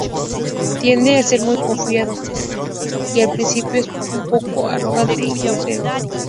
Tiende a ser muy confiado, y al principio es un poco arrogante y grosero.